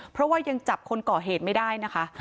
เพราะว่ายังจับคนก่อเหตุไม่ได้นะคะ